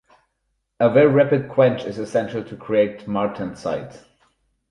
A very rapid quench is essential to create martensite.